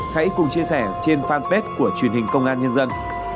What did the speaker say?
hãy cùng chia sẻ trên fanpage của truyền hình công an nhân dân